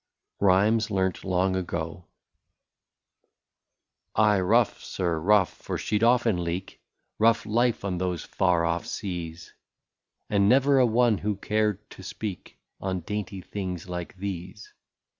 90 RHYMES LEARNT LONG AGO. Aye, rough, sir, rough, for she 'd often leak, — Rough life Dn those far off seas ; And never a one who cared to speak On dainty things like these.